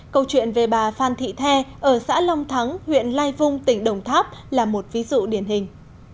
câu chuyện về bà phan thị the ở xã long thắng huyện lai vung tỉnh đồng tháp là một ví dụ điển hình